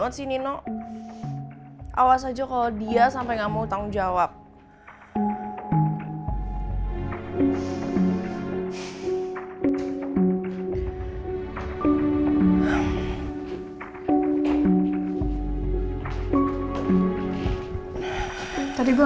dua puluh lima tahun ini adalah